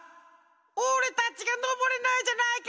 おれたちがのぼれないじゃないか！